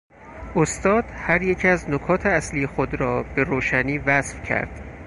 استاد هر یک از نکات اصلی خود را به روشنی وصف کرد.